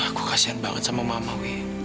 aku kasian banget sama mama wi